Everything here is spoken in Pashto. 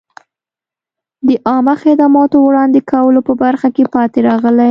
د عامه خدماتو وړاندې کولو په برخه کې پاتې راغلي.